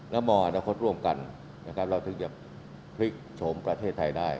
และมออาณาคตร่วมกันเราถึงจะพริกชมประเทศไทยได้